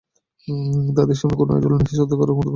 তাদের সামনে কোনো আইডল নেই, শ্রদ্ধা করার মতো কোনো মানুষ নেই।